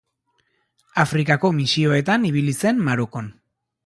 Afrikako misioetan ibili zen Marokon.